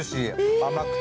甘くて。